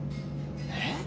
えっ！